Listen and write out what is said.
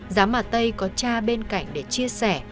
giám mà tây có cha bên cạnh để chia sẻ